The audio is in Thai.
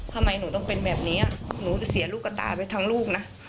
ทำไมหนูต้องเป็นแบบนี้หนูจะเสียลูกกระตาไปทั้งลูกนะ